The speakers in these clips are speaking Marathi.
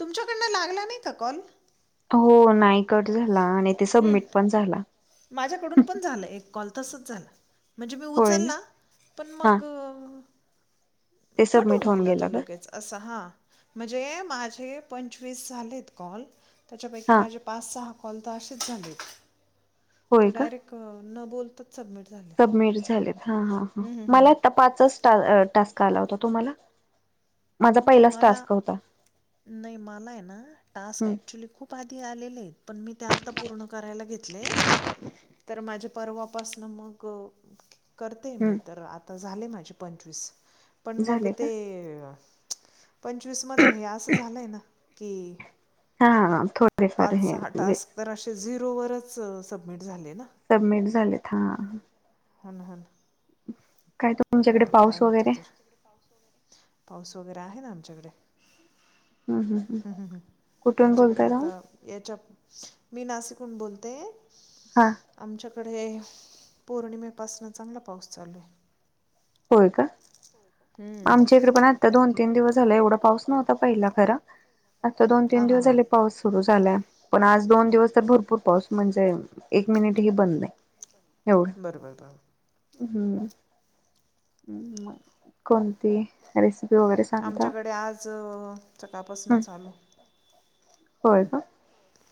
तुमच्याकडनं लागला नाही का कॉल हो नाहीकट झाला आणि ते सबमिट पण झाला. माझ्याकडून पण झालं एक कॉल तसच झालं. म्हणजे मी उचलला पण मग कटवून गेला तो लगेचा असं हां म्हणजे माझे पंचवीस झालेत कॉल त्याच्यापैकी माझे पाच, सहा कॉल तर असेच झाले तर डायरेक्ट न बोलताच सबमिट झाले. सबमिट झालेत ह ह ह मला पाच च टास्क आला होता तुम्हाला नाही मला नाही मला आहे ना टास्क ऍक्च्युली खूप उपाधी आलेले आहेत पण मी ते आत्ता पूर्ण करायला घेतलेत. तर माझ्या परर्वापासन मग करते मी तर आता झाले माझे पंचवीस पण मग ते पंचवीसमध्ये हे असं झालंय ना की हा. पाच, सहा टास्क तर असे झिरोवरच सबमिट झाले ना. सबमिट झालेत हा. हन हन बघू आता काय होतं तर पाऊस वगैरे आहे ना आमच्याकडे हम्म तुमच्याकडे आ याच्या मी नाशिक हुन बोलते. हा. आमच्याकडे पौर्णिमेपासन चांगला पाऊस चालू आहे. होय का आमच्या इकडे पण आता दोन, तीन दिवस झाला एवढा पाऊस नव्हता पहिला खरा आता दोन, तीन दिवस झाले पाऊस सुरू झालाय पण आज दोन दिवस तर भरपूर पाऊस म्हणजे एक मिनिट ही बंद नाही. बरं बरं बरर. हम्म [unintelligible] कोणती? रेसिपी वगैरे आमच्याकडे आज सकाळपासून चालू होय का.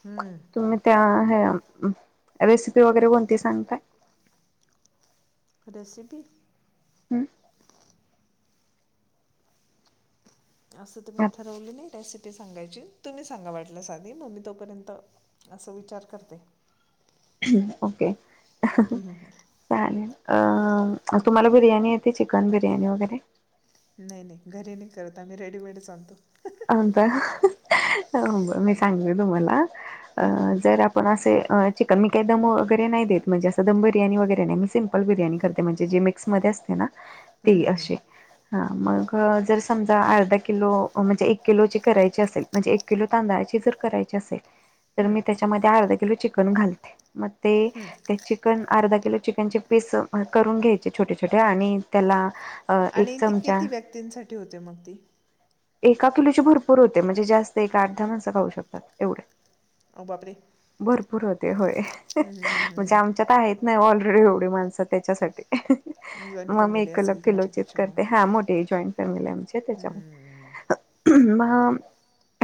हम्म तुम्ही त्या ह रेसिपी वगैरे कोणती सांगताय? रेसिपी. हम्म असं तर मी ठरवलं नाही रेसिपी. ते सांगायची तुम्ही सांगा वाटलं साधी मग मी तोपर्यंत असं विचार करते. ओके चालेल अ तुम्हाला बिर्याणी येते चिकन बिर्याणी वगैरे? नाही नाही घरी नाही करत आम्ही रेडीमेडच आणतो. ता मी सांगते तुम्हाला अ जर. पण असे चिकन मी काही दम वगैरे नाही देत म्हणजे असं दम बिरणी वगैरे नाही मी सिम्पल बिर्याणी करते म्हणजे जे मी. स मध्ये असते ना. ते अस मग जर समजा अर्धा किलो म्हणजे एक. किलो करायची असे म्हणजे किलो तांदळाची जर करायची असेल तर, त्या अर्धा किलो चिकन घालते मग ते. चिकन अर्धा किलो चिकन चे पीस करून घ्यायचे छोटे छोटे आणि त्याला. आणि ती किती व्यक्तींसाठी होते मग ती? एका किलोची भरपूर होते म्हणजे जास्त एका आठ दहा माणसं खाऊ शकतात एवढे. भरपूर होते होय म्हणजे आमच्यात आहेत. नाही ऑलरेडी एवढी माणसं त्याच्यासाठी. मग मी एक ल किलोचीत करते हा मोठी जॉईंट फॅमिली आम त्याच्या. मग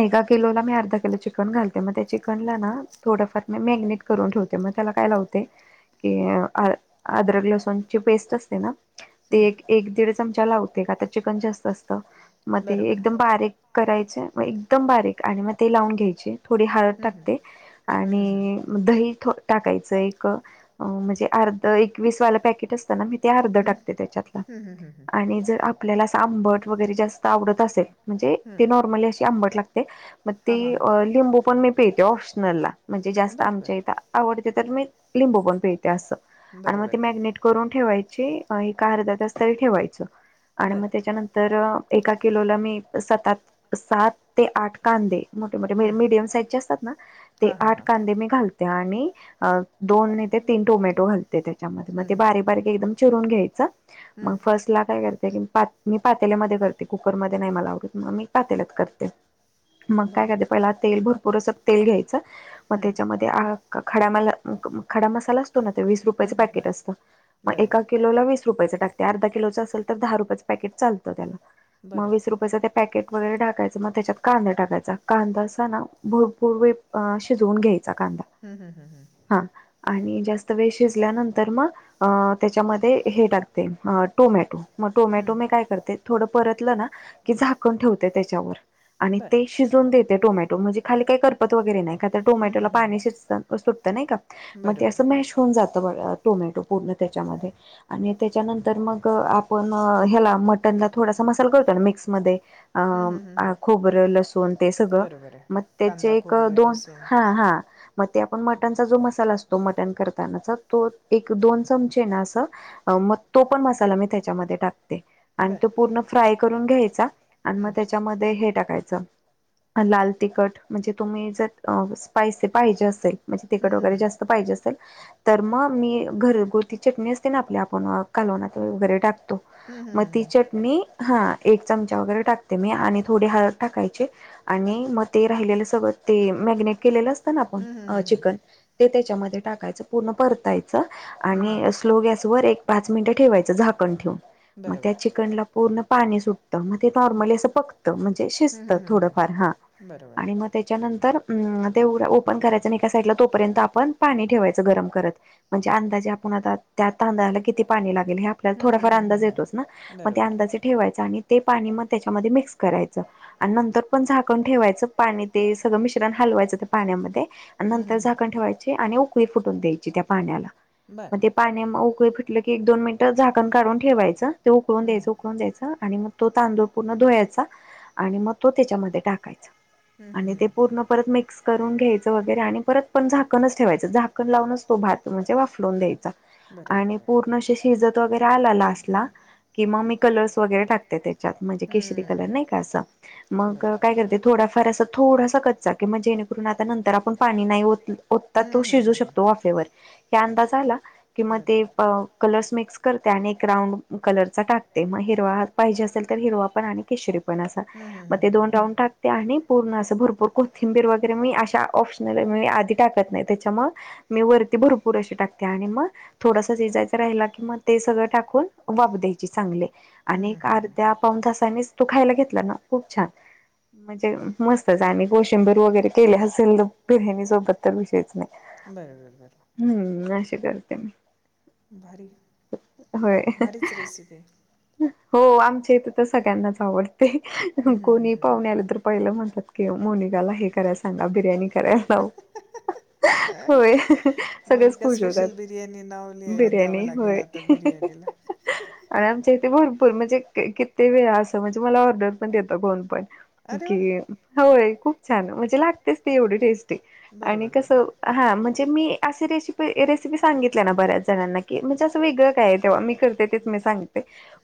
एका किलोला मी अर्धा किलो चिकन घालते मग त्या चिकनला ना थोडंफार मी मॅग्नेट. करून ठेवते मग त्याला काय लावते? की अदरक लसूणची पेस्ट असते ना. ते एक एक दीड चमचा लावते का आता चिकन जास्त असतं. मग ते एकदम बारीक करायचे मग एकदम बारीक आणि मग ते लावून घ्यायचे. थोडी हळत टाकते आणि. दही टाकायच एक म्हणजे अर्ध एकवीस वाला पॅकेट असत. मी अर्ध टाकते त्याच्यात आणि जर आपल्याला अस आंबट वगैरेत जास्त. आवडत असेल म्हणजे नॉर्मली आंबट लागते. मग ते लिंबू पण मी पिळते ऑप्शनल ला म्हणजे जास्त आमच्या इथ. आवडते तर मी लिंबू पण पिळते असं आणि मग ते मॅगनेट. करून ठेवायची ह का अर्दातस तरी ठेवायचं आणि मग त्याच्यानंतर. एका किलोला मी सतात सात. ते आठ कांदे मोठे मोठे मीडियम साईजचे असतात ना ते आठ कांदे मी घालतो. आणि दोन तीन टोमॅटो घालते त्याच्या मग ते बारीक. बारीक एकदम चिरून घ्यायच म फर्स्ट ला काय करते की पात मी पातेल्यामध्ये कर ते कुकर मध्ये नाही मला आवडत म मी पातेल्यात करते मग काय करते. पहिला तेल भरपूर अस तेल घ्यायच मग त्याच्यामध्ये ते खडा मला खडा मसालाच. तो ना ते वीस रुपयांचं पाकीट असतं म एका किलोला वीस रुपयाचं टाकते अर्ध किलोच असल तर दहा रुपयाचं पॅकेट चालतं त्याला मग वीस रुपयांचं ते पॅकेट वगैरे टाकायचं मग त्याच्यात कांदा टाकायचा कांदा असा ना भरपूर वेळ शिजवून घ्यायचा कांदा. हम्म हम्म हम्म हम्म हा आणि जास्त वेळ शिजल्यानंतर म अ त्याच्यामध्ये हे टाकते टोमॅटो. मग टोमॅटो मी काय करते थोडं परतलं ना की झाकण ठेवते त्याच्यावर आणि ते शिजवून देते टोमॅटो म्हणजे खाली काही करपत वगैरे नाही. त्या टोमॅटोला पाणी शिजत सुटतं नाही का मग ते असं मॅश व्हून जातो बघा टोमॅटो पूर्ण त्याच्यामध्ये आणि त्येच्यानंतर मग आपण ह्याला मटन थोडासा मसाला करतो ना मिक्स मध्ये, आं खोबरं, लसूण ते सगळं. मग त्येचे एक दोन हां हां. मग ते आपण मटनचा जो मसाला असतो, मटण करतानाचा तो, एक दोन चमचे ना असा अ मग तो पण मसाला मी त्याच्यामध्ये टाकते. तो पूर्ण फ्राय करून घ्यायचा आणि मग त्याच्यामध्ये हे टाकायचं. लाल तिखट म्हणजे तुम्ही जर स्पायसी पाहिजे असेल? म्हणजे तिकट वगैर जास्त पाहिजे असेल. तर मग मी घर गोती चटणी असते ना आपल्या आपण कालोनात वगैरे टाकतो. म, ती चटणी ह एक चमचा वगैरे टाकते मी, आणि थोडी हळद टाकायची आणि मग ते राहिलेलं सगळं ते मॅगिनेट केलेलं असतं ना? आपण चिकन ते त्याच्यामध्ये टाकायचं पूर्ण परतायचं आणि स्लो गॅस वर एक पाच मिनटं ठेवायचं झाकण ठेवून. मग त्या चिकनला पूर्ण पाणी सुटतं म ते नॉर्मली असं पकत, म्हणजे शिजतं थोडंफार हा आणि मग त्याच्यानंतर अअ तेवढं ओपन करायचं नी एका साईडला तोपर्यंत आपण पाणी ठेवायचं गरम करत. म्हणजे अंदाजे आपण आता त्या तांदळाला किती पाणी लागेल हे आपल्याला थोडाफार अंदाज येतोच ना? मग अस, ठेवायच आणि ते पाणी मग त्याच्यामध्ये मिक्स करायच. अनं नंतर पण झाकण ठेवायचं पाणी ते सगळं मिश्रण हलवायचं त्या पाण्यामध्ये अनं नंतर झाकण ठेवायचे आणि उकळीर फुटून द्यायची त्या पाण्याला, मग ते पाण्या म उकळी फुटली की एक दोन मिनिटं झाकण काढून ठेवायचं ते उकळून द्यायचं. ज्याचं आणि मग तो तांदूळ पूर्ण धुवायचा आणि मग तो त्याच्यामध्ये टाकायचा. आणि ते पूर्ण परत मिक्स करून घ्यायचं वगैरे आणि परत पण झाकणच ठेवायचं झाकण लावूनच तो भात म्हणजे वाफलवून द्यायचा. आणि पूर्ण शि शिजत वगैरे आला लास्टला किंवा मी कलर्स वगैरे टाक ते त्याच्यात म्हणजे केशरी कलर नाही का? अस मग काय करते थोडाफार असं थोडासा कच्चा कि म जेणेकरून आता नंतर आपण पाणी नाही होतलं ओतात तो शिजू शकतो वाफेवर, हे अंदाज आला कि म ते अ कलर्स मिक्स करते आणि एक राऊंड कलरचा टाक ते मग हिरवा पाहिजे असेल तर, हिरवा पण आणि केशरी पण आसा मग ते दोन राऊंड टाकते आणि पूर्ण असं भरपूर कोथिंबीर वगैरे मी अशा ओप मी आधी टाकत नाही, त्याच्या मग मी वरती भरपूर अशी टाकते आणि म थोडस शिजायचा राहिला कि मग, ते सगळं टाकून वाफ द्यायची. चांगले आणि एक अर्ध्या पाऊन तासानेच तो खायला घेतला ना. खूप छान! म्हणजे मस्तच आणि कोशंबीर वगैरे केले असेल तर, बिर्याणी सोबत तर विषयच नाही. बरोबर. हूम्म अशी करते मी. होय. ठिक आहे. हो आमच्या इथ तर सगळ्यांनाच आवडते. कोणी पाहुण्या आला तर पहिलं म्हणतात की, मोनिकाला हे करायला सांगा बिर्याणी करायला लाव. होय. सगळेच खुश होतात. बिर्याणी होय. आनी आमचे ते भरपूर म्हणजे किती वेळा असं म्हणजे मला ऑर्डर पण देत कोन पण कि होय खूप छान म्हणजे लागतेच ती एवढी टेस्टी आणि कसं? हां म्हणजे मी अशी रेसिपी रेसिपी सांगितल्या ना बऱ्याच जणांना की म्हणजे असं वेगळं काय आहे तेव्हा मी करते ते मी सांगते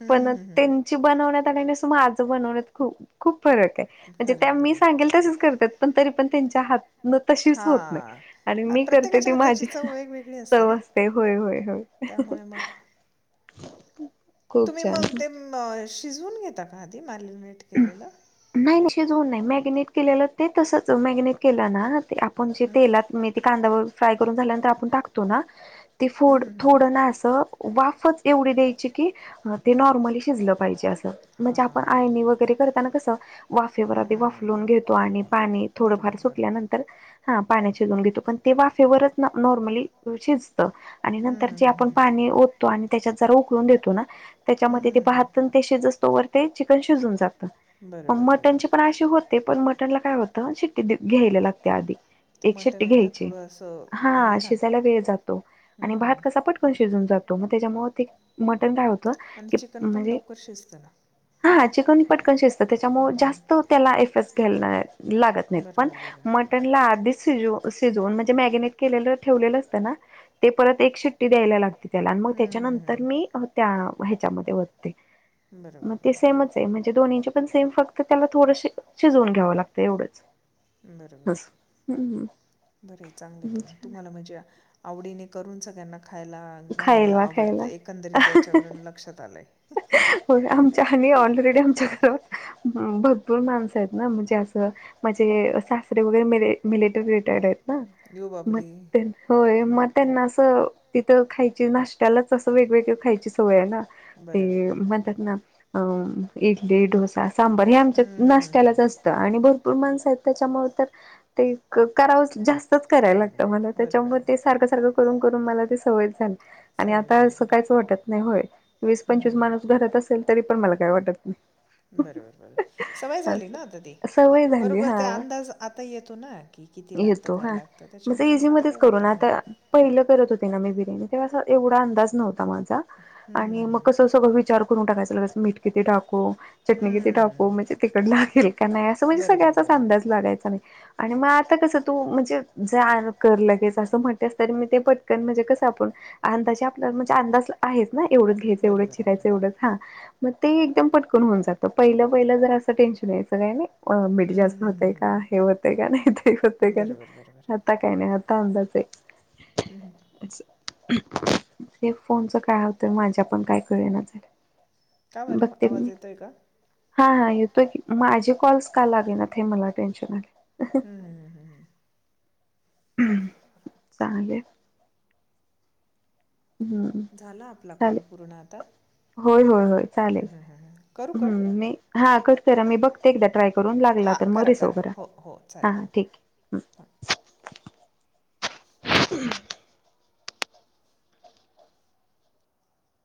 पण त्यांची बनवण्यात आणि नस माझं बनवण्यात खूप खूप फरक आहे म्हणजे त्या मी सांगेल तसेच करतात, पण तरी पण त्यांच्या हात न तशीच होत नाही आणि मी करते ती माझी चव असते. होय होय होय. त्यामुळे मग तुम्ही मग ते शिजवून घेता का, आधी मॅगेनेट केलेलं? नाही नाही शिजवून नाही, मॅगनेट केलेलं ते तसच मॅगनेट केलं ना ते आपण जे तेलात मी ते कांदा वगैरे फ्राय करून झाल्यानंतर, आपण टाकतो ना? [inaudible] ते फोड थोडं ना असं वाफच एवढी द्यायची की, ते नॉर्मली शिजलं पाहिजे असं म्हणजे आपण आळनी वगैरे भाकरी करताना कसं वाफेवर आधी वाफलून घेतो, आणि पाणी थोडंफार सुटल्यानंतर हा पाण्याचे दोन घेतो, पण ते वाफेवरच ना नॉर्मलीे शिज त आणि नंतर जे आपण पाणी ओततो, आणि त्याच्यात जरा उकळून देतो ना त्याच्या मध्ये ते ते शिजूस्तोवर ते चिकन शिजून जात मग, मटनची पण अशी होत ते पण मटनला काय होतं, शिट्टी घ्यायला लागते आधी. एक शेट्टी घ्यायची, हा शिजायला वेळ जातो आणि भात कसा पटकन पण शिजून जातो, मग त्याच्यामुळे ते मटन काय होत की म्हणजे हा चिकन पटकन शिजत त्याच्यामुळे जास्त त्याला एफर्न्स घ्यायला लागत नाहीत, पण मट ना आधिचं शिजवून म्हणजे मॅरिनेट केलेलं ठेवलेलं असतं ना. ते परत एक शिट्टी द्यायला लागतील. त्याला मग त्याच्यानंतर मी त्या ह्याच्यामध्ये वतते मग ते सेमच आहे म्हणज जे दोन्हीची पण, सेम फक्त त्याला थोडं शिजवून घ्यावं लागतं एवढंच. बरोबर आहे, बरं आहे चांगलं आहे पण तुम्हाला म्हणजे आवडीने करून सगळ्यांना खायला घालायला आवडतं, एकंदरी त्याच्यावरून लक्षात आलंय. होय, आमच्या आणि ऑलरेडी आमच्या घरात भरपूर माणसं आहेत ना म्हणजे असं माझे सासरे वगैरे मि -मिलेटरी रिटायर्ड आहेत. ना म ते होय, मग त्यांना असं खायची नाशत्यालाच असं वेगवेगळ खायची सवय आहे ना, ते म्हणतात ना अ इडली, डोसा, सांबार हे आमच्या नाश्त्यालाच असतं आणि भर पूर माणसं आहेत त्याच्यामुळे तर, ते करावंच जास्त चं करायला लागत मला त्याच्यामुळे, ते सारखं सारखं करून करून मला ते सवय झाली. आणि आता असं कायच वाटत नाही, होय वीस पंचवीस माणूस घरात असल असेल तरी, पण मला काय वाटत नाही. बरोबर बरोबर सवय झाली ना, आता ते बरोबर ते अंदाज आता येतो ना की किती लागतं. काय लागतं, त्याच्यामुळे मग आता काही वाटत नाही. पहिलं करत होते ना, मी बिर्याणी तेव्हा एवढा अंदाज नव्हता माझा आणि मग कसं सगळ विचार करून टाकायचा लगेच मीठ किती टाकू? चटणी किती टाकू म्हणजे तिखट लागेल. कनय असं म्हणजे, सगळ्याचाच अंदाज लागायचा नाही. आणि मग, आता कसं तू म्हणजे जा कर लगेच असं म्हणतेस तरी मी ते पट ण म्हणजे कसं आपण अंदाचे आपल्याला म्हणजे अंदाज आहेच ना, एवढंच घे तेवढ चिरायचं एवढंच हा, मग ते एकदम पटकन होऊन जातं पहिलं पहिलं जर असं टेन्शन यायचं आता काय नाही. अ मिठ जास्त होते का, हे होते का नाही ते होते का नाही आता काय नाही, आता अंदाज हाय. ह ह. हे फोनच काय होतय, माझ्या पण काय कळना झालंय? बघते मी. हा हा येतोय, की माझे कॉल्स का लागेनात हे मला टेन्शन आले. ह ह. [unintelligible] चालेल. झाला आपला कॉल पूर्ण आता? होय होय होय, चालेल ह नाही हा कट करा मी बघ ते एकदा ट्राय करून लागला तर, मग रिसिव्ह करा हा हा ठीक आहे.